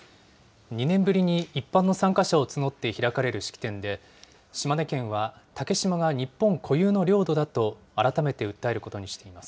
２年ぶりに一般の参加者を募って開かれる式典で、島根県は、竹島が日本固有の領土だと改めて訴えることにしています。